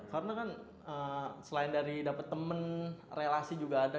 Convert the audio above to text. karena kan selain dari dapat temen relasi juga ada